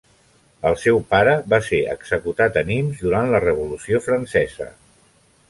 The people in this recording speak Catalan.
El seu pare va ser executat a Nimes durant la Revolució Francesa.